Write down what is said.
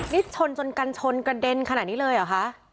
นี่ชนจนกันชนกระเด็นขนาดนี้เลยเหรอคะ